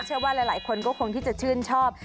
เชื่อว่าหลายคนก็คงที่จะชื่นชอบ